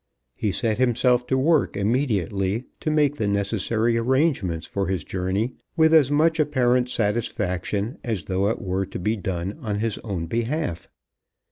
He set himself to work immediately to make the necessary arrangements for his journey with as much apparent satisfaction as though it were to be done on his own behalf.